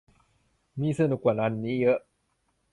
มีสนุกกว่าวันนี้เยอะ